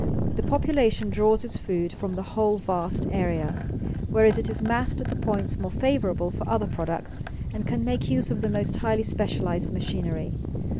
The population draws its food from the whole vast area; whereas it is massed at the points more favorable for other products and can make use of the most highly specialized machinery.